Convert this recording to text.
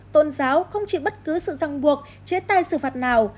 tôn giáo không chịu bất cứ sự răng buộc chế tai sự phạt nào